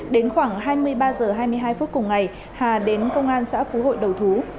đến khoảng hai mươi ba h hai mươi hai phút cùng ngày hà đến công an xã phú hội đầu thú